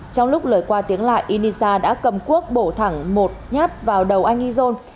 trong lúc lời qua tiếng lại inisa đã cầm quốc bổ thẳng một nhát vào đầu anh izon